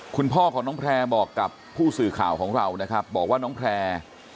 คุณพ่อของน้องแพร่บอกกับผู้สื่อข่าวของเรานะครับบอกว่าน้องแพร่